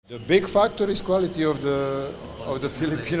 faktor besar adalah kualitas tim filipina